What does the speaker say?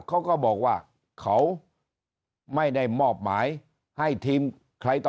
เขาก็บอกว่าเขาไม่ได้มอบหมายให้ทีมใครต่อ